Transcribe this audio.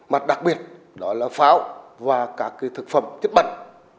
mà đặc biệt đó là pháo và các thực phẩm chức bẩn